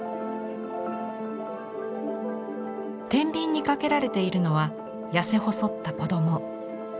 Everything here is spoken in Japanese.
天秤にかけられているのは痩せ細った子ども。